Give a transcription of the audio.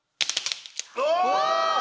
お！